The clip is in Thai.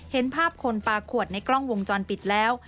เห็นภาพคนปลาขวดในกล้องวงจรปิดแล้ว